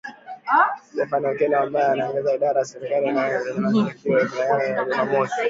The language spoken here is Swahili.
Stephen Okello, ambaye anaongoza idara ya serikali inayosimamia mashirika yasiyo ya kiserikali, alisema katika taarifa siku ya Jumamosi